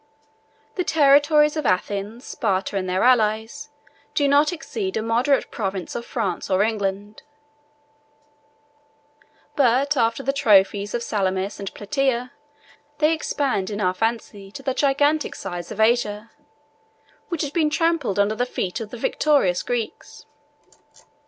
The territories of Athens, Sparta, and their allies, do not exceed a moderate province of France or England; but after the trophies of Salamis and Platea, they expand in our fancy to the gigantic size of Asia, which had been trampled under the feet of the victorious Greeks.